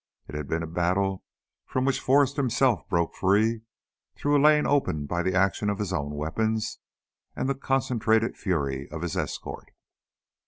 It had been a battle from which Forrest himself broke free through a lane opened by the action of his own weapons and the concentrated fury of his escort.